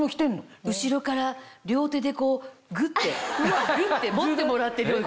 後ろから両手でこうグッてグッて持ってもらってるような。